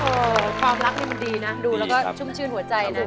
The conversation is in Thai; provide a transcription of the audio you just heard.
โอ้ความรักนี่ดีนะดูแล้วก็ชุ่มชื่นหัวใจนะพี่แทนา